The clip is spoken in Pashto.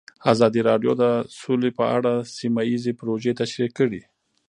ازادي راډیو د سوله په اړه سیمه ییزې پروژې تشریح کړې.